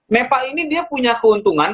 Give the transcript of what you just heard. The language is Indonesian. mepa ini dia punya keuntungan